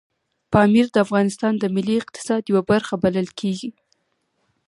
پامیر د افغانستان د ملي اقتصاد یوه برخه بلل کېږي.